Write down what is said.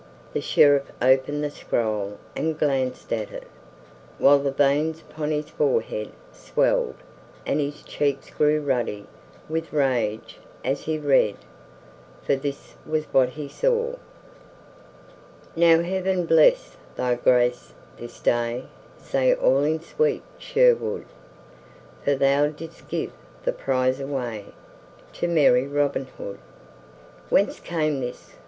The Sheriff opened the scroll and glanced at it, while the veins upon his forehead swelled and his cheeks grew ruddy with rage as he read, for this was what he saw: "Now Heaven bless Thy Grace this day Say all in sweet Sherwood For thou didst give the prize away To merry Robin Hood." "Whence came this?"